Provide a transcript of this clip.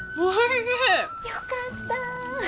よかった。